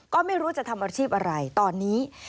ก็ไม่รู้จะทำอาชีพอะไรตอนนี้